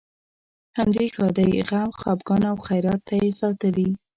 همدې ښادۍ، غم، خپګان او خیرات ته یې ساتلې.